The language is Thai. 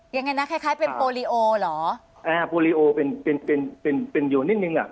ยังไงนะคล้ายเป็นโพลีโอเหรอโพลีโอเป็นอยู่นิ่งนึง